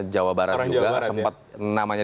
jawa barat juga sempat namanya